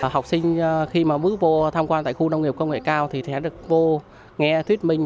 học sinh khi mà bước vô tham quan tại khu nông nghiệp công nghệ cao thì sẽ được vô nghe thuyết minh